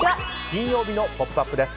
金曜日の「ポップＵＰ！」です。